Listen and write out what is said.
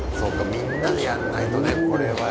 みんなでやらないとねこれはやっぱり。